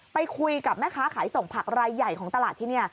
ไปคุยกับแม่ค้าขายส่งผักรายใหญ่ของตลาดที่นี่